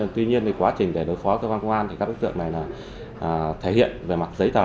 tuy nhiên quá trình đối phó với văn quân các đối tượng này thể hiện về mặt giấy tờ